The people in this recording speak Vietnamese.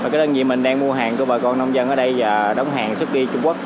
cái đơn vị mình đang mua hàng của bà con nông dân ở đây và đóng hàng xuất đi trung quốc